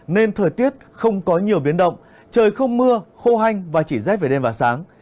nên thời tiết không có nhiều biến động trời không mưa khô hanh và chỉ rét về đêm và sáng